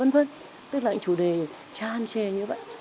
tức là những chủ đề tràn trề như vậy